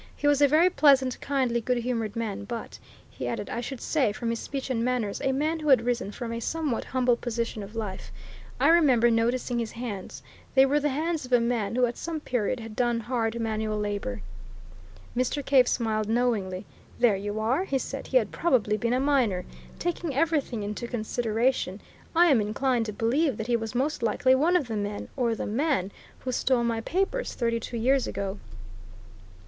He was a very pleasant, kindly, good humoured man but," he added, "I should say, from his speech and manners, a man who had risen from a somewhat humble position of life. I remember noticing his hands they were the hands of a man who at some period had done hard manual labour." Mr. Cave smiled knowingly. "There you are!" he said. "He had probably been a miner! Taking everything into consideration, I am inclined to believe that he was most likely one of the men, or the man, who stole my papers thirty two years ago."